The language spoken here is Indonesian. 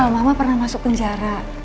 mama pernah masuk penjara